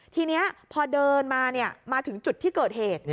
ทีนี้พอเดินมามาถึงจุดที่เกิดเหตุ